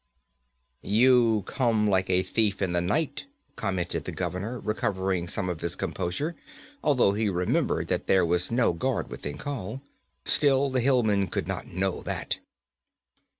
'You come like a thief in the night,' commented the governor, recovering some of his composure, although he remembered that there was no guard within call. Still, the hillman could not know that.